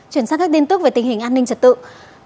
chuyển sang các tin tức về tình hình an ninh trật tự